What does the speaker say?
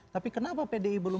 tapi kenapa pdi belum